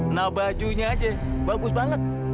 nah bajunya aja bagus banget